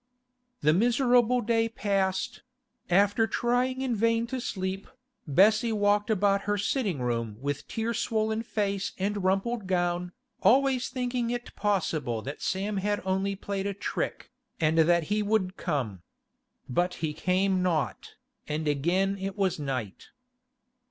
The miserable day passed; after trying in vain to sleep, Bessie walked about her sitting room with tear swollen face and rumpled gown, always thinking it possible that Sam had only played a trick, and that he would come. But he came not, and again it was night.